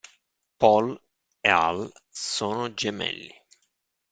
Paul e Hal sono gemelli.